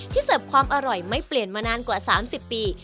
เสิร์ฟความอร่อยไม่เปลี่ยนมานานกว่า๓๐ปี